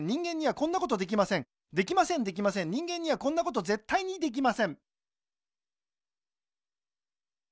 できませんできません人間にはこんなことぜったいにできません